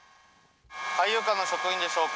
海遊館の職員でしょうか。